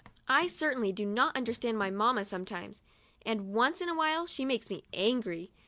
I certainly do not understand my mamma sometimes, and once in a while she makes me angry.